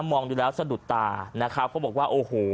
มองดูแล้วสะดุดตานะครับเขาบอกว่าโอ้โห